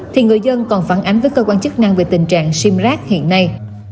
thì người dân còn phản ánh với cơ quan chức năng về tình trạng simrack hiện nay